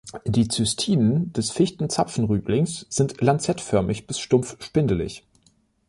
Die Zystiden des Fichten-Zapfenrüblings sind lanzettförmig bis stumpf spindelig.